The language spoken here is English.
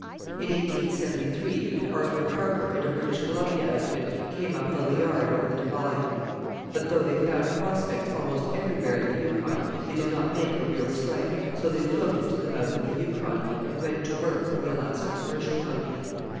In 1873 Arthur Harper and a British Columbia outfit came up the Liard and over the Divide; but though they found "prospects" almost everywhere in the Yukon, they did not make a real strike, so they floated to the mouth of the Yukon and went to work for the Alaska Commercial Company.